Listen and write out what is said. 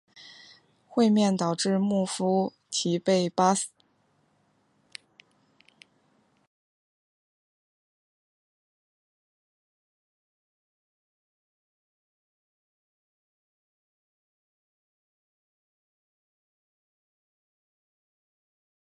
会面导致穆夫提被巴基斯坦一个宗教委员会停职。